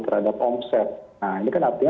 terhadap omset nah ini kan artinya